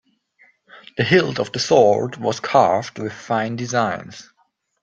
The hilt of the sword was carved with fine designs.